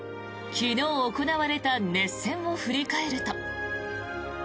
昨日行われた熱戦を振り返ると。